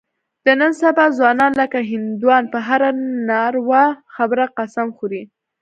د نن سبا ځوانان لکه هندوان په هره ناروا خبره قسم خوري.